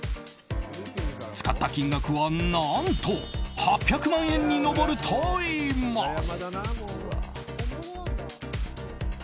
使った金額は何と８００万円に上るといいます。